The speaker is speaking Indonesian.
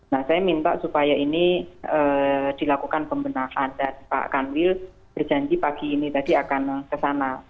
nah saya minta supaya ini dilakukan pembenahan dan pak kanwil berjanji pagi ini tadi akan kesana